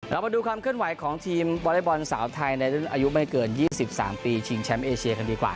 มาดูความเคลื่อนไหวของทีมวอเล็กบอลสาวไทยในรุ่นอายุไม่เกิน๒๓ปีชิงแชมป์เอเชียกันดีกว่า